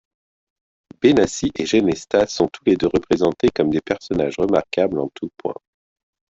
Benassis et Genestas sont tous deux présentés comme des personnages remarquables en tout point.